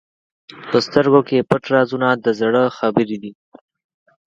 په سترګو کې پټ رازونه د زړه خبرې دي.